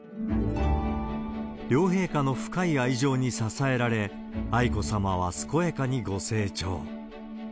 両陛下の深い愛情に支えられ、愛子さまは健やかにご成長。